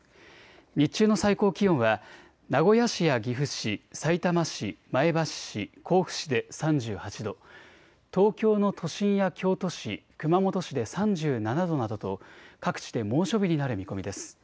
日中の最高気温は名古屋市や岐阜市、さいたま市、前橋市、甲府市で３８度、東京の都心や京都市、熊本市で３７度などと各地で猛暑日になる見込みです。